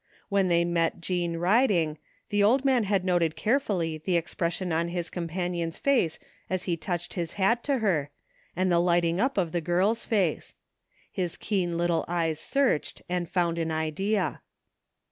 When they met Jean riding, the old man had noted carefully the ex pression on his companion's face as he touched his hat to her, and the lighting up of the girl's face. His keen little eyes searched, and found an idea.